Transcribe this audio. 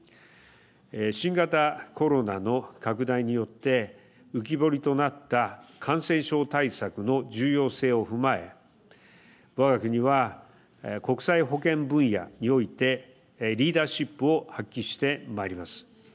新型コロナの拡大によって浮き彫りとなった感染症対策の重要性を踏まえわが国は、国際保健分野においてリーダーシップを発揮してまいります。